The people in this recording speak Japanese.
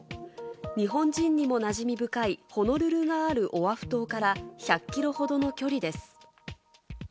日本人にもなじみ深いホノルルがあるオアフ島から１００キロほどの距離です。